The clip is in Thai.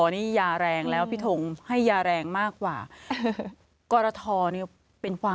นี่ยาแรงแล้วพี่ทงให้ยาแรงมากกว่ากรทเนี่ยเป็นความ